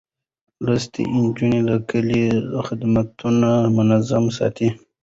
لوستې نجونې د کلي خدمتونه منظم ساتي.